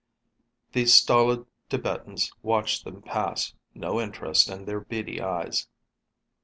The stolid Tibetans watched them pass, no interest in their beady eyes.